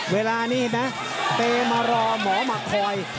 เวลานี้นะเตมารอหมอมาคอย